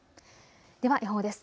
では予報です。